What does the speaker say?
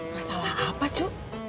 masalah apa cu